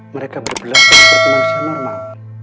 mereka berbelanja seperti manusia normal